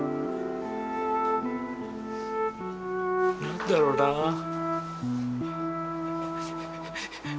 何だろうなぁ。